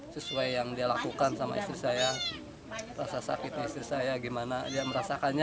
sesuai yang dia lakukan sama istri saya rasa sakitnya istri saya gimana dia merasakannya